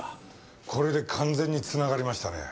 これで完全に繋がりましたね。